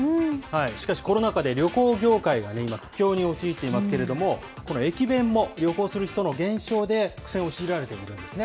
しかしコロナ禍で旅行業界は今、苦境に陥っていますけれども、この駅弁も、旅行する人の減少で苦戦を強いられているんですね。